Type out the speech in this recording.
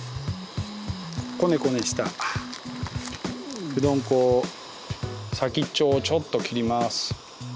こねこねしたうどん粉を先っちょをちょっと切ります。